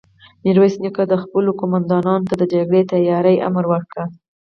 ميرويس نيکه خپلو قوماندانانو ته د جګړې د تياري امر وکړ.